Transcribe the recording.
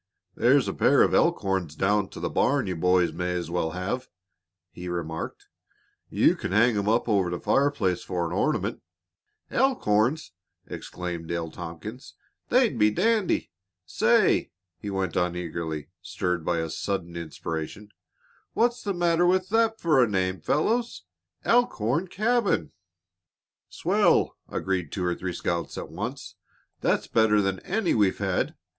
"There's a pair of elk horns down to the barn you boys may as well have," he remarked. "You can hang 'em up over the fireplace for an ornament." "Elk horns!" exclaimed Dale Tompkins. "They'd be dandy! Say!" he went on eagerly, stirred by sudden inspiration, "what's the matter with that for a name, fellows Elkhorn Cabin?" "Swell!" agreed two or three scouts at once. "That's better than any we've had.